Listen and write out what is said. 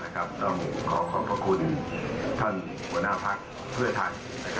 ขอขอบพระคุณท่านหัวหน้าภัครภัย